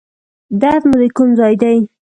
درد مو د کوم ځای دی؟